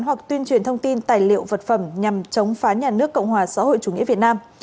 hoặc tuyên truyền thông tin tài liệu vật phẩm nhằm chống phá nhà nước cộng hòa xã hội chủ nghĩa việt nam